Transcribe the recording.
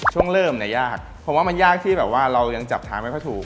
ช่วงเริ่มในยากผมว่ามันยากที่เรายังจับทางไม่พอถูก